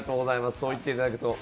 そう言っていただくと。